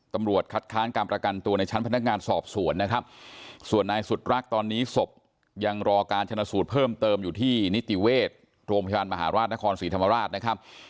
ตำรวจคัดค้านการประกันตัวในชั้นพนักงานสอบสวนนะครับส่วนนายสุดรักตอนนี้ศพยังรอการชนะสูตรเพิ่มเติมอยู่ที่นิติเวชโรงพยาบาลมหาราชนครศรีธรรมราชนะครับ